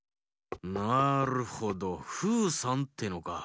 なるほどフーさんってえのか。